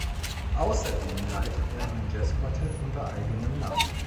Außerdem leitet er ein Jazz-Quartett unter eigenem Namen.